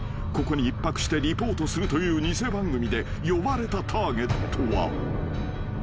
［ここに一泊してリポートするという偽番組で呼ばれたターゲットは］